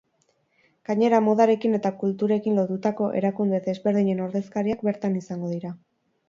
Gainera, modarekin eta kulturarekin lotutako erakunde desberdinen ordezkariak bertan izango dira.